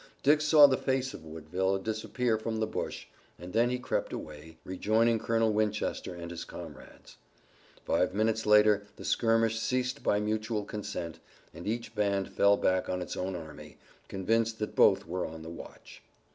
Dick saw the face of Woodville disappear from the bush, and then he crept away, rejoining Colonel Winchester and his comrades. Five minutes later the skirmish ceased by mutual consent, and each band fell back on its own army, convinced that both were on the watch.